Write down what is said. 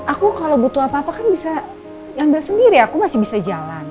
aku kalau butuh apa apa kan bisa ambil sendiri aku masih bisa jalan